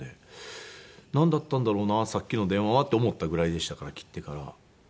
なんだったんだろうなさっきの電話はって思ったぐらいでしたから切ってから。